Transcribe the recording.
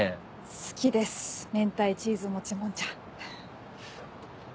好きです明太チーズもちもんじゃははっ。